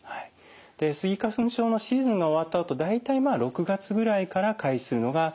スギ花粉症のシーズンが終わったあと大体６月ぐらいから開始するのが望ましいと思います。